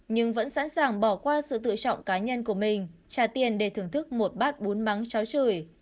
nhưng vẫn sẵn sàng bỏ qua sự tự trọng cá nhân của mình trả tiền để thưởng thức một bát bún mắng cháo chửi